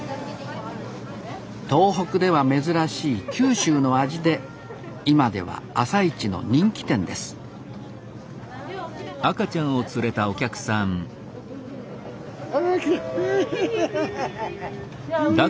東北では珍しい九州の味で今では朝市の人気店ですあら来た！